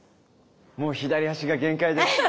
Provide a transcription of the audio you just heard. もう左足が限界です。